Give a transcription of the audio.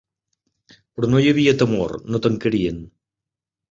Però no hi havia temor: no tancarien.